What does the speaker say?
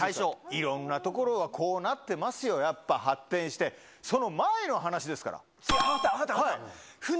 いろんな所がこうなってますよ、やっぱ、発展して、その前の話で分かった、分かった。